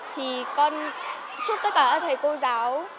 thì con chúc tất cả các thầy cô giáo